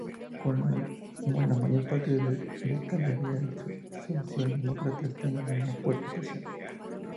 Como en la mayor parte de Dalecarlia, los socialdemócratas tienen una fuerte posición.